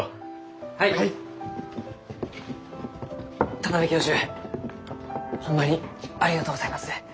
田邊教授ホンマにありがとうございます。